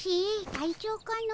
隊長かの？